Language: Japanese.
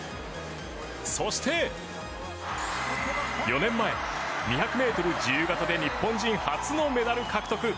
そして、４年前２００ｍ自由形で日本人初のメダル獲得。